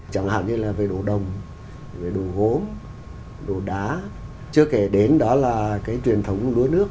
chẳng hạn như là về đồ đồng về đồ gốm đồ đá chưa kể đến đó là cái truyền thống lúa nước